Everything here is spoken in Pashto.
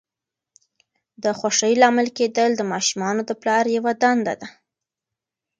د خوښۍ لامل کېدل د ماشومانو د پلار یوه دنده ده.